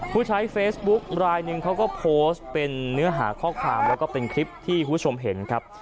ผู้ใช้เฟซบุ๊คลายหนึ่งเขาก็โพสต์เป็นเนื้อหาข้อความแล้วก็เป็นคลิปที่คุณผู้ชมเห็นครับ